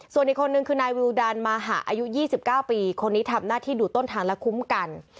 ส่วนอีกคนนึงคือนายวิวดันมาหาอายุ๒๙ปีคนนี้ทำหน้าที่ดูต้นทางและคุ้มกัน